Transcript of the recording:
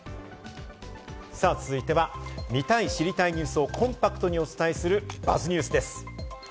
続いては、見たい知りたいニュースをコンパクトにお伝えする「ＢＵＺＺニュース」です。